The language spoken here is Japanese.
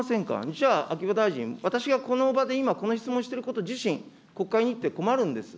じゃあ、秋葉大臣、私がこの場で今、この質問してること自身、国会日程、困るんです。